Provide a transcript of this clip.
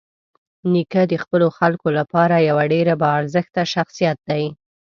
نیکه د خپلو خلکو لپاره یوه ډېره باارزښته شخصيت دی.